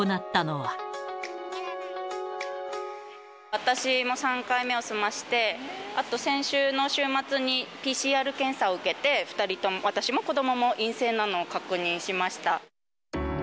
私も３回目を済ませて、あと先週の週末にＰＣＲ検査を受けて、２人とも。私も子どもも陰性なのを確認しました。